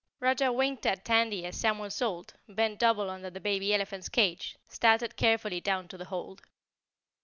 Roger winked at Tandy as Samuel Salt, bent double under the baby elephant's cage, started carefully down to the hold.